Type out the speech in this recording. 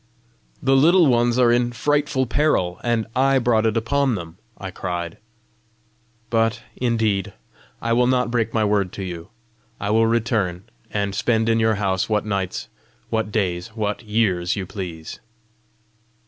"The Little Ones are in frightful peril, and I brought it upon them!" I cried. " But indeed I will not break my word to you. I will return, and spend in your house what nights what days what years you please."